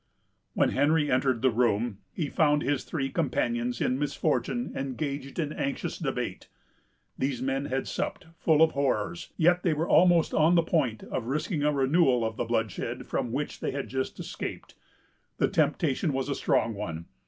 When Henry entered the room, he found his three companions in misfortune engaged in anxious debate. These men had supped full of horrors; yet they were almost on the point of risking a renewal of the bloodshed from which they had just escaped. The temptation was a strong one.